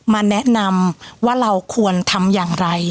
มาแนะนำว่าเราควรทำอย่างไร